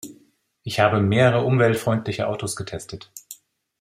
Ich habe mehrere umweltfreundliche Autos getestet.